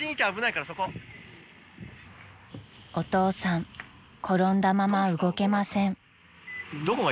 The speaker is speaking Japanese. ［お父さん転んだまま動けません］